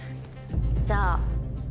じゃあ。